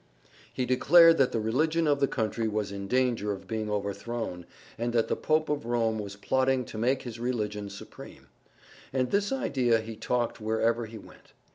He declared that the religion of the country was in danger of being overthrown and that the Pope of Rome was plotting to make his religion supreme. And this idea he talked wherever he went.